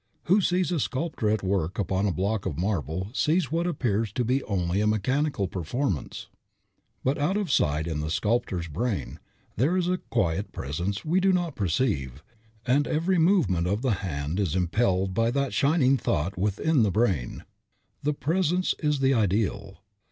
Who sees a sculptor at work upon a block of marble sees what appears to be only a mechanical performance. But, out of sight in the sculptor's brain, there is a quiet presence we do not perceive; and every movement of the hand is impelled by that shining thought within the brain. That presence is the ideal.